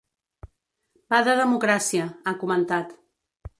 Va de democràcia, ha comentat.